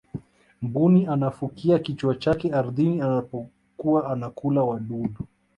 mbuni anafukia kichwa chake ardhini anapokuwa anakula wadudu